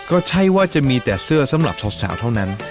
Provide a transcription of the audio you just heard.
ก็ใช่ว่าจะมีแต่เสื้อสำหรับสาวเท่านั้น